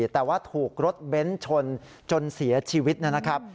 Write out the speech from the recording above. แต่ว่าถูกรถเบ้นชนจนเสียชีวิตนะครับ